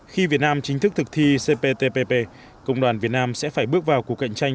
khi việt nam chính thức thực thi cptpp công đoàn việt nam sẽ phải bước vào cuộc cạnh tranh